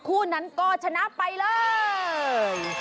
คู่นั้นก็ชนะไปเลย